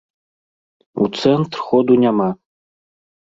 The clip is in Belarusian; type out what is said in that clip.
У цэнтр ходу няма.